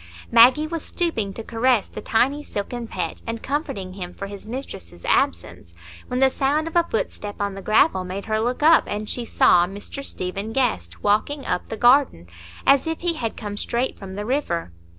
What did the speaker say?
Maggie was stooping to caress the tiny silken pet, and comforting him for his mistress's absence, when the sound of a footstep on the gravel made her look up, and she saw Mr Stephen Guest walking up the garden, as if he had come straight from the river.